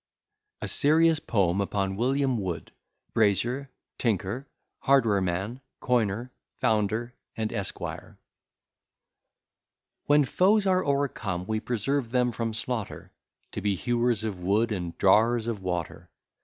A SERIOUS POEM UPON WILLIAM WOOD, BRAZIER, TINKER, HARD WAREMAN, COINER, FOUNDER, AND ESQUIRE When foes are o'ercome, we preserve them from slaughter, To be hewers of wood, and drawers of water.